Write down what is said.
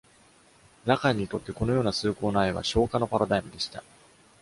ラカンにとって、このような崇高な愛は「昇華のパラダイム」でした。